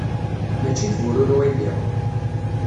Mačči d bururu i lliɣ.